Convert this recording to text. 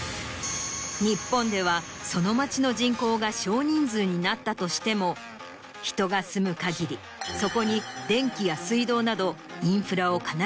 日本ではその町の人口が少人数になったとしても人が住む限りそこに電気や水道など。